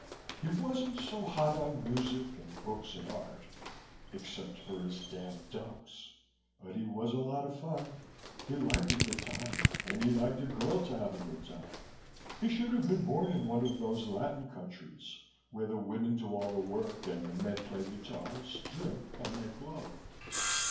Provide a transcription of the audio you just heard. He wasn't so hot on music and books and art except for his damned ducks but he was a lot of fun. He liked a good time and he liked a girl to have a good time. He should have been born in one of those Latin countries where the women do all the work and the men play guitars, drink and make love."